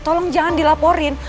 tolong jangan dilaporin